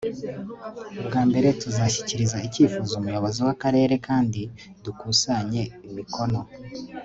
ubwa mbere, tuzashyikiriza icyifuzo umuyobozi w'akarere kandi dukusanye imikono